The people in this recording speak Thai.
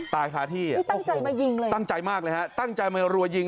ตายคาที่ตกใจมายิงเลยตั้งใจมากเลยฮะตั้งใจมารัวยิง